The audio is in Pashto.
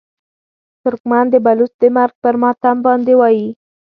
ترکمن د بلوڅ د مرګ پر ماتم باندې وایي.